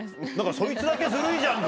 そいつだけずるいじゃんか。